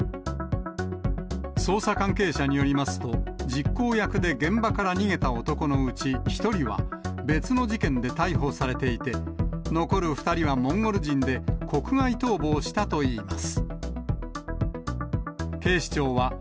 捜査関係者によりますと、実行役で現場から逃げた男のうち１人は、別の事件で逮捕されていて、この時間は午後６時１５分まで字幕放送をお送りします。